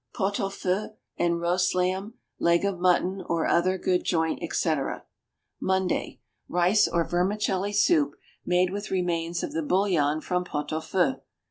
Pot au feu and roast lamb, leg of mutton or other good joint, etc. Monday. Rice or vermicelli soup made with remains of the bouillon from pot au feu.